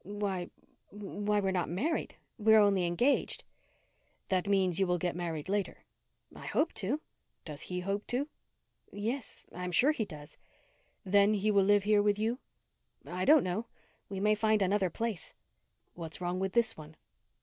"Why why, we're not married. We are only engaged." "That means you will get married later?" "I hope to." "Does he hope to?" "Yes I'm sure he does." "Then he will live here with you?" "I don't know. We may find another place." "What's wrong with this one?"